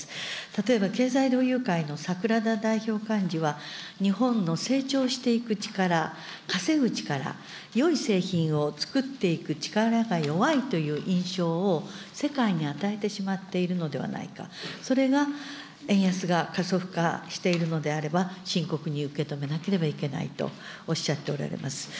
例えば経済同友会のさくらだ代表幹事は、日本の成長していく力、稼ぐ力、よい製品を作っていく力が弱いという印象を世界に与えてしまっているのではないか、それが、円安が加速化しているのであれば、深刻に受け止めなければいけないとおっしゃっておられます。